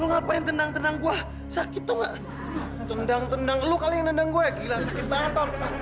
lu ngapain tenang tenang gua sakit tuh nggak tendang tendang lu kalian dengan gue gila sakit